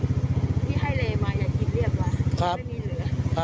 ที่ให้เลมาอย่ากินเรียบเลย